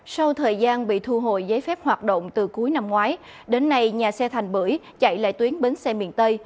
sau thời gian bị thu hồi giấy phép hoạt động từ cuối năm ngoái đến nay nhà xe thành bưởi chạy lại tuyến bến xe miền tây